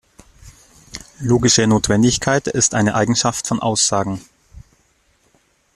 Logische Notwendigkeit ist eine Eigenschaft von Aussagen.